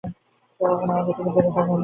সে কখনই আমাদের থেকে দূরে থাকেনি।